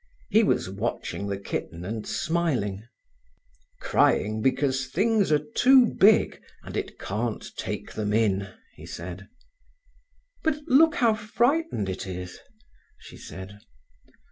He was watching the kitten and smiling. "Crying because things are too big, and it can't take them in," he said. "But look how frightened it is," she said.